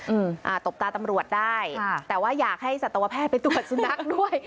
อ่าตบตาตำรวจได้ค่ะแต่ว่าอยากให้สัตวแพทย์ไปตรวจสุนัขด้วย